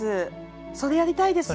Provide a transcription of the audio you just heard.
それやりたいです。